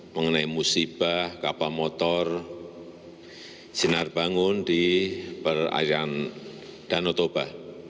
mengenai musibah kapal motor sinar bangun di perairan danau toba